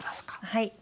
はい。